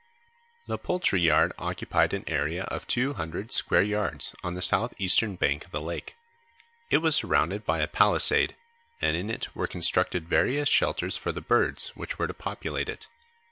The poultry yard occupied an area of two hundred square yards on the south eastern bank of the lake. It was surrounded by a palisade, and in it were constructed various shelters for the birds which were to populate it.